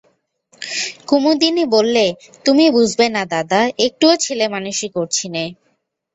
কুমুদিনী বললে, তুমি বুঝবে না দাদা, একটুও ছেলেমানুষি করছি নে।